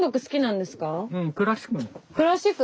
クラシック。